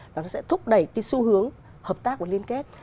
và nó sẽ thúc đẩy cái xu hướng hợp tác và liên kết